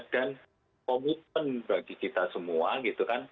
dan komiten bagi kita semua gitu kan